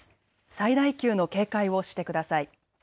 最大級の警戒をしてください。